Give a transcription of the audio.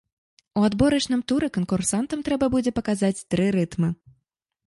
У адборачным туры канкурсантам трэба будзе паказаць тры рытмы.